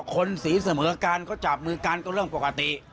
คนสีเสมอกันเขาจับมือกันก็เรื่องปกติ